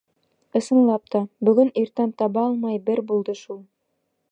Ысынлап та, бөгөн иртән таба алмай бер булды шул.